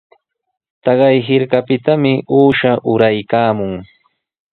Taqay hirkapitami uusha uraykaamun.